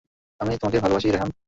আমি তোমাকে ভালোবাসি, রেহান।